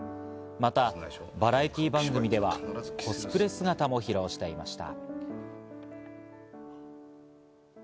またバラエティー番組ではコスプレ姿も披露していました。